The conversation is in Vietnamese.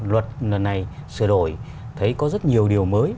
luật lần này sửa đổi thấy có rất nhiều điều mới